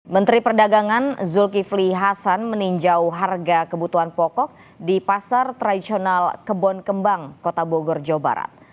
menteri perdagangan zulkifli hasan meninjau harga kebutuhan pokok di pasar tradisional kebon kembang kota bogor jawa barat